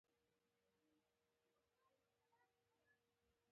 د افغان له خولې دروغ نه راځي.